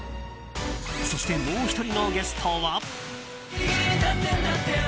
そして、もう１人のゲストは。